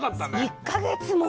１か月もね。